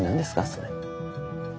それ。